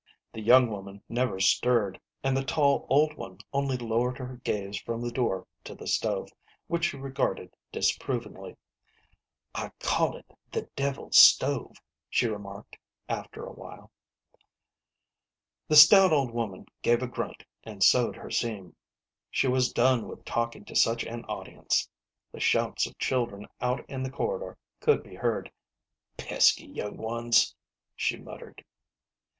The young woman never stirred, and the tall old one only lowered her gaze from the door to the stove, which she regarded disapprovingly. " I call it the devil's stove," she remarked, after a while. The stout old woman gave a grunt and sewed her seam ; she was done with talking to such an audience. The shouts of children out in the corridor could be heard. "Pesky young ones !" she muttered.